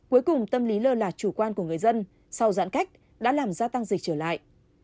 cuối cùng tâm lý lơ là chủ quan của người dân sau giãn cách đã làm gia tăng dịch trở lại